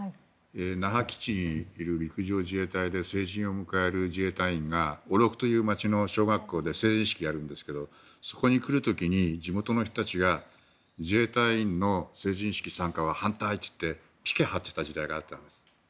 那覇基地にいる陸上自衛隊で成人を迎える自衛隊員が町で成人式をやるんですがその時に地元の人たちが自衛隊員の成人式参加は反対とやっていた時代があったんです。